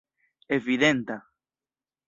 evidenta